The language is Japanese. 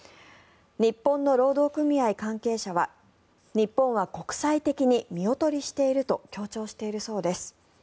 日本の労働組合関係者は日本は国際的に見劣りしていると強調しているそうです。